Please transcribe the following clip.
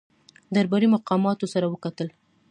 درباري مقاماتو سره وکتل.